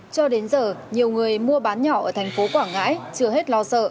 cho đến giờ nhiều người mua bán nhỏ ở tp quảng ngãi chưa hết lo sợ